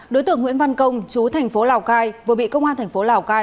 đối tượng nguyễn văn công chú thành phố lào cai vừa bị công an thành phố lào cai